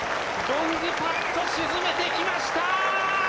ロングパット、沈めてきました！